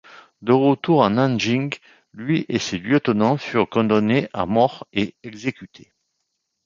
De retour à Nanjing, lui et ses lieutenants furent condamné à mort et exécuté.